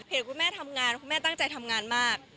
คุณแม่ทำงานคุณแม่ตั้งใจทำงานมาก